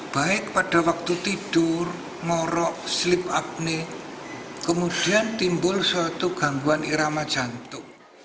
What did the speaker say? baik pada waktu tidur ngorok sleep apne kemudian timbul suatu gangguan irama jantung